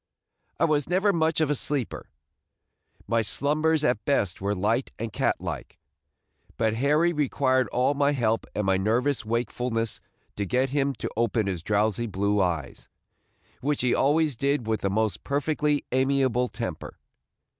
I was never much of a sleeper; my slumbers at best were light and cat like; but Harry required all my help and my nervous wakefulness to get him to open his drowsy blue eyes, which he always did with the most perfectly amiable temper.